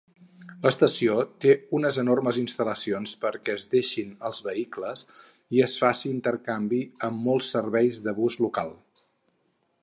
L'estació té unes enormes instal·lacions perquè es deixin els vehicles i es faci intercanvi amb molts serveis de bus local.